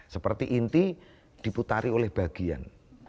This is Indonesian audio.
seperti inti diputari oleh bagian